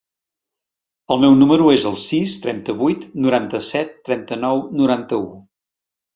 El meu número es el sis, trenta-vuit, noranta-set, trenta-nou, noranta-u.